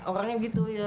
orangnya gitu ya